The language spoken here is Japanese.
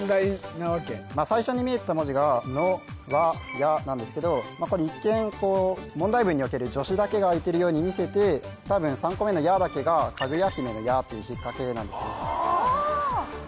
「や」なんですけどこれ一見問題文における助詞だけが開いてるように見せて多分３個目の「や」だけがかぐや姫の「や」というひっかけなんですねて